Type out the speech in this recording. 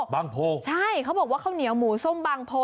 โพใช่เขาบอกว่าข้าวเหนียวหมูส้มบางโพ